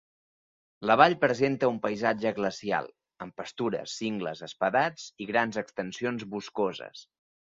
La vall presenta un paisatge glacial, amb pastures, cingles, espadats i grans extensions boscoses.